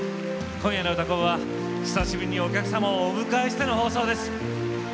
今夜の「うたコン」は久しぶりにお客様をお迎えしての放送です。